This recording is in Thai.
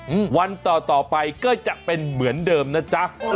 อืมวันต่อต่อไปก็จะเป็นเหมือนเดิมนะจ๊ะ